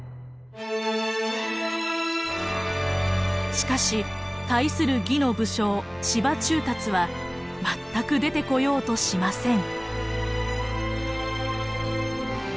しかし対する魏の武将司馬仲達は全く出てこようとしません。